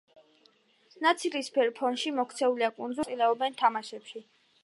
ნაცრისფერ ფონში მოქცეულია კუნძულები რომლებიც აღარ მონაწილეობენ თამაშებში.